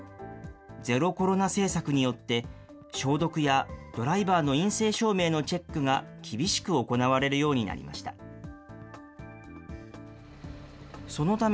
ゼロコロナ政策によって、消毒やドライバーの陰性証明のチェックが厳しく行われるようになりました。